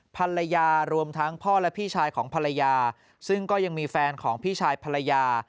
ภรรยารวมทั้งพ่อและพี่ชายของภรรยาซึ่งก็ยังมีแฟนของพี่ชายภรรยา